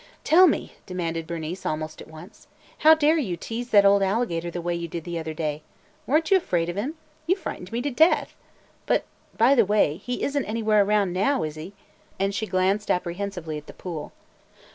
"Tell me," demanded Bernice almost at once, "how did you dare tease that old alligator the way you did the other day? Were n't you afraid of him? You frightened me to death! But, by the way, he is n't anywhere around now, is he?" and she glanced apprehensively at the pool.